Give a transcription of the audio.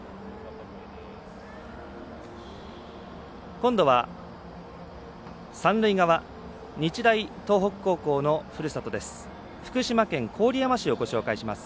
今度は、三塁側日大東北高校のふるさとです。